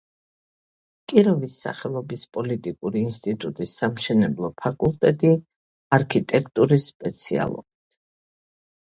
კიროვის სახელობის პოლიტექნიკური ინსტიტუტის სამშენებლო ფაკულტეტი არქიტექტურის სპეციალობით.